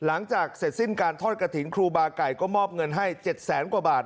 หลังจากเสร็จสิ้นการทอดกระถิ่นครูบาไก่ก็มอบเงินให้๗แสนกว่าบาท